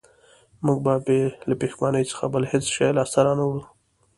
موږ به بې له پښېمانۍ څخه بل هېڅ شی لاسته را نه وړو